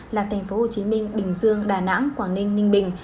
là tp hcm bình dương đà nẵng quảng ninh ninh bình